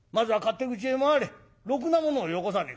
ろくな者をよこさねえ。